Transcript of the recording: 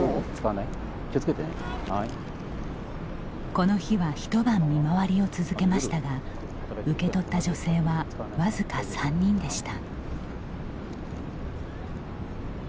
この日は一晩見回りを続けましたが受け取った女性はわずか３人でした。